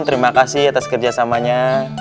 terima kasih atas kerjasamanya